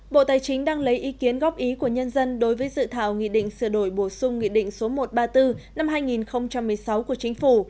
bộ tài chính đang lấy ý kiến góp ý của nhân dân đối với dự thảo nghị định sửa đổi bổ sung nghị định số một trăm ba mươi bốn năm hai nghìn một mươi sáu của chính phủ